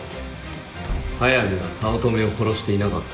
速水は早乙女を殺していなかった。